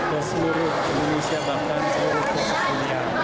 ke seluruh indonesia bahkan seluruh dunia